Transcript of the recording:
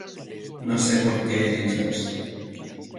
No sé por qué he dicho eso.